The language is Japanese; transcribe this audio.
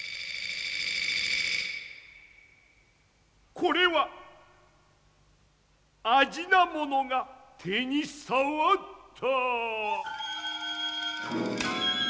これはあじなものが手にさわった。